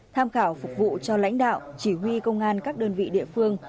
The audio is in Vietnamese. tham khảo phục vụ cho lãnh đạo chỉ huy công an các đơn vị địa phương